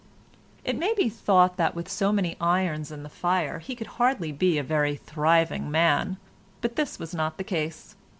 It may be thought that with so many irons in the fire he could hardly be a very thriving man, but this was not the case.